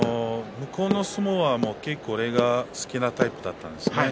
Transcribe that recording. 向こうの相撲は自分が好きなタイプだったんですね。